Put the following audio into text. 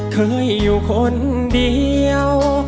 เคยอยู่คนเดียว